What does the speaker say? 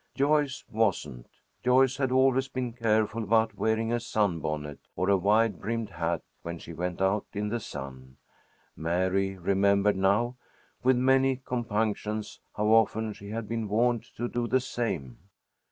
Joyce wasn't. Joyce had always been careful about wearing a sunbonnet or a wide brimmed hat when she went out in the sun. Mary remembered now, with many compunctions, how often she had been warned to do the same.